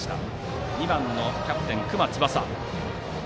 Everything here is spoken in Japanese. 打席は２番のキャプテン、隈翼。